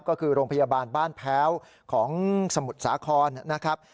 ก็คือโรงพยาบาลบ้านแพ้วของสมุทรสาครนะครับ